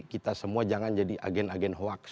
kita semua jangan jadi agen agen hoax